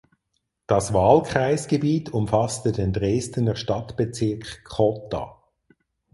Das Wahlkreisgebiet umfasste den Dresdener Stadtbezirk Cotta.